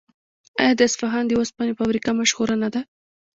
آیا د اصفهان د وسپنې فابریکه مشهوره نه ده؟